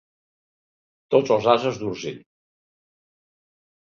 Tots els ases d'Urgell.